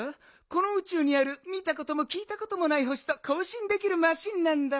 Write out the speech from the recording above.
このうちゅうにある見たこともきいたこともない星とこうしんできるマシンなんだ。